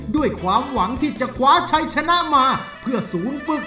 ด้วยความหวังที่จะคว้าชัยชนะมาเพื่อศูนย์ฝึก